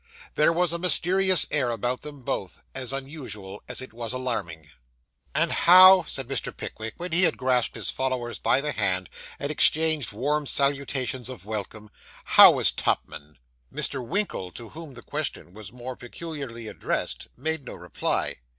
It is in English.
There was a mysterious air about them both, as unusual as it was alarming. 'And how,' said Mr. Pickwick, when he had grasped his followers by the hand, and exchanged warm salutations of welcome 'how is Tupman?' Mr. Winkle, to whom the question was more peculiarly addressed, made no reply.